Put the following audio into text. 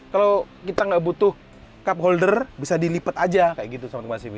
kalo kita ga butuh cup holder bisa dilipet aja kayak gitu sama tukang sivi